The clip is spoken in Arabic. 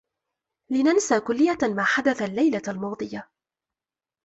لننسى كلّيّة ما حدث اللّيلة الماضية.